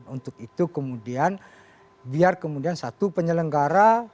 untuk itu kemudian biar kemudian satu penyelenggara